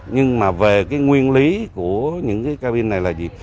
nhưng mà về cái nguyên lý của những cái ca binh này là gì